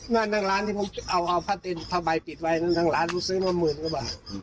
นั่นทางร้านที่ผมเอาผ้าใบปิดไว้ทางร้านผมซื้อมาหมื่นกว่าบาท